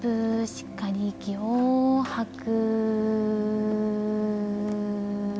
しっかり息を吐く。